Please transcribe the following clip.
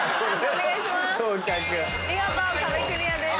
見事壁クリアです。